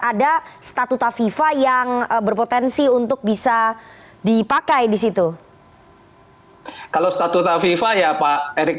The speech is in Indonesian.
ada statuta fifa yang berpotensi untuk bisa dipakai disitu kalau statuta fifa ya pak erick